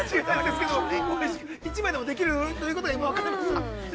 ◆１枚でもできるということが、分かりました。